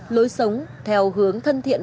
lối sống theo hướng thân thiện